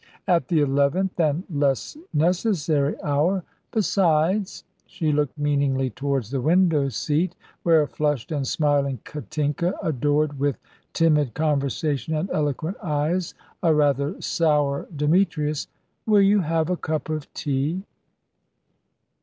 "At the eleventh and less necessary hour. Besides " She looked meaningly towards the window seat, where a flushed and smiling Katinka adored with timid conversation and eloquent eyes a rather sour Demetrius. "Will you have a cup of tea?"